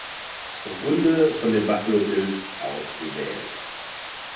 Runde von den Buffalo Bills ausgewählt.